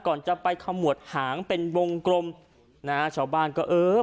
ก่อนจะไปขมวดหางเป็นวงกลมนะฮะชาวบ้านก็เออ